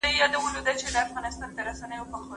څو به پټه کو له ښاره اورنۍ شهیده مینه